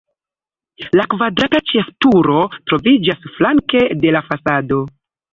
La kvadrata ĉefturo troviĝas flanke de la fasado.